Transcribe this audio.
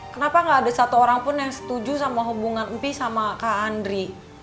kenapa gak ada satu orang pun yang setuju sama hubungan empi sama kak andri